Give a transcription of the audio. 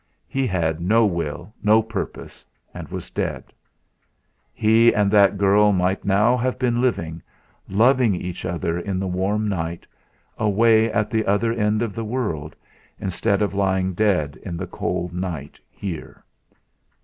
He had no will, no purpose, and was dead! He and that girl might now have been living, loving each other in the warm night, away at the other end of the world, instead of lying dead in the cold night here!